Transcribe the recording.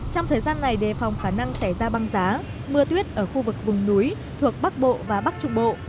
trong thời gian này đề phòng khả năng xảy ra băng giá mưa tuyết ở khu vực vùng núi thuộc bắc bộ và bắc trung bộ